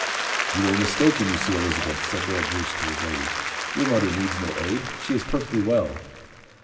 "You were mistaken you see, Elizabeth," said Lord Roos to his lady. "Your mother needs no aid. She is perfectly well."